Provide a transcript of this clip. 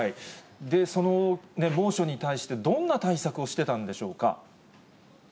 その猛暑に対して、どんな対策をしてたんでしょうか。